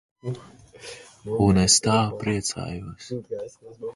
Un es tā priecājos.